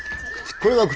これが口？